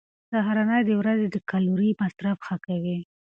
سهارنۍ د ورځې د کالوري مصرف ښه کوي.